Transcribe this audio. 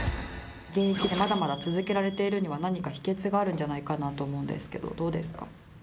現役でまだまだ続けられているのには何か秘訣があるんじゃないかなと思うんですけどどうですか？